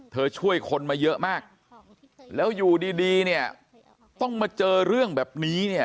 เธอช่วยคนมาเยอะมากแล้วอยู่ดีต้องมาเจอเรื่องแบบนี้